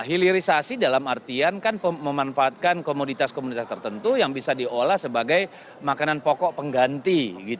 hilirisasi dalam artian kan memanfaatkan komoditas komoditas tertentu yang bisa diolah sebagai makanan pokok pengganti